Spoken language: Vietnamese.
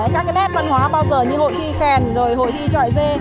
các nét văn hóa bao giờ như hội thi khen rồi hội thi trọi dê